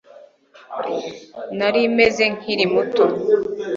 nari meze nkiri muto